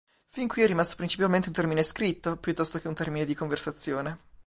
Fin qui è rimasto principalmente un termine scritto, piuttosto che un termine di conversazione.